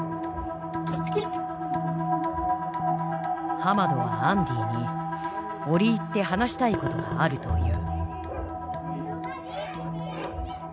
ハマドはアンディに折り入って話したいことがあるという。